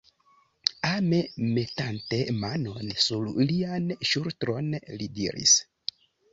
Ame metante manon sur lian ŝultron, li diris: